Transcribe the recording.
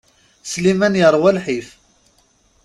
Sliman yerwa lḥif.